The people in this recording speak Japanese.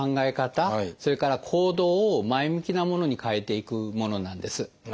それから行動を前向きなものに変えていくものなんです。